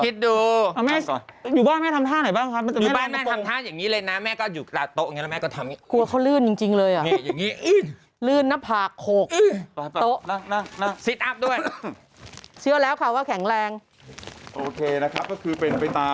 เสร็จแล้วนะ